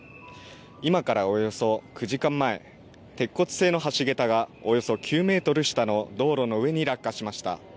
今からおよそ９時間前、鉄骨製の橋桁がおよそ９メートル下の道路の上に落下しました。